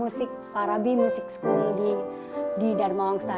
musik para b music school di darmawangsa